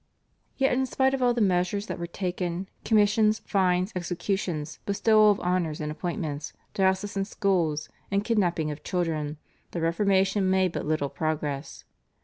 Yet in spite of all the measures that were taken, commissions, fines, executions, bestowal of honours and appointments, diocesan schools, and kidnapping of children, the Reformation made but little progress.